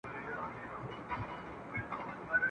د ښځي چې له مېړه سره راستي وي، ژوند یې ښه وي !.